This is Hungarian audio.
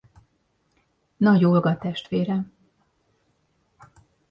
Nagy Olga testvére.